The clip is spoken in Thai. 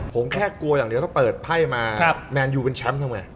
ผมแค่กลัวอย่างเดียวถ้าเปิดไพ่มาแมนยูเป็นแชมป์ทำไง